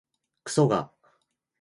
くそが